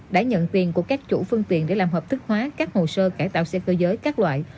đã nhận tiền của các chủ phương tiện để làm hợp thức hóa các hồ sơ cải tạo xe cơ giới các loại